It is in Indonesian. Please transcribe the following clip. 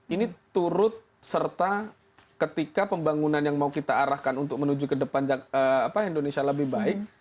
ini turut serta ketika pembangunan yang mau kita arahkan untuk menuju ke depan indonesia lebih baik